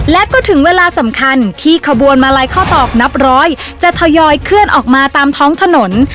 และก็ถึงเวลาสำคัญที่ขบวนมาลัยข้าวตอกนับร้อยจะทยอยเคลื่อนออกมาตามท้องถนน